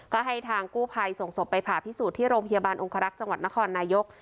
ก็ให้ทางกู้ภัยส่งศพไปผ่าพิสูจน์ที่โรงพยาบาลองครักษ์จังหวัดนครนายก